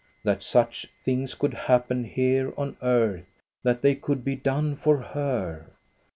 That such things could happen here on earth, that they could be done for her